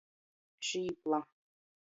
Šīpla.